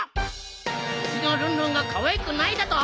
うちのルンルンがかわいくないだと！